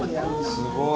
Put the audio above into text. すごい。